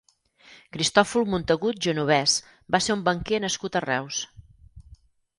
Cristòfol Montagut Genovès va ser un banquer nascut a Reus.